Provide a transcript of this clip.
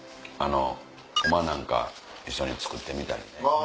独楽なんか一緒に作ってみたりね。